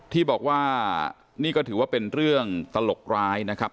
ที่บอกว่านี่ก็ถือว่าเป็นเรื่องตลกร้ายนะครับ